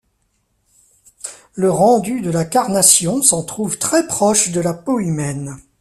Le rendu de la carnation s'en trouve très proche de la peau humaine.